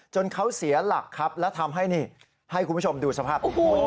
เขาเสียหลักครับแล้วทำให้นี่ให้คุณผู้ชมดูสภาพอีกที